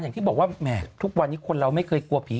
อย่างที่บอกว่าแหมทุกวันนี้คนเราไม่เคยกลัวผี